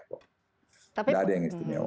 nggak ada yang istimewa